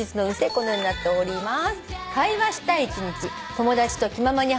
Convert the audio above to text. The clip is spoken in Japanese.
このようになっております。